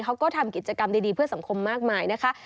เขาก็ทำกิจกรรมดีเพื่อสังคมมากมายนะคะ